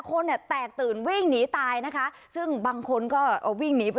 คนเนี่ยแตกตื่นวิ่งหนีตายนะคะซึ่งบางคนก็วิ่งหนีไป